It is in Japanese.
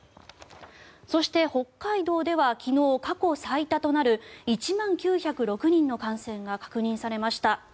そして、北海道では昨日過去最多となる１万９０６人の感染が確認されました。